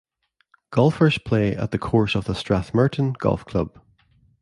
Golfers play at the course of the Strathmerton Golf Club.